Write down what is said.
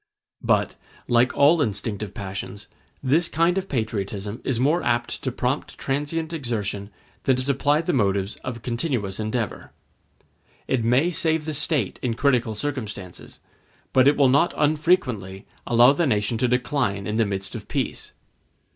But, like all instinctive passions, this kind of patriotism is more apt to prompt transient exertion than to supply the motives of continuous endeavor. It may save the State in critical circumstances, but it will not unfrequently allow the nation to decline in the midst of peace.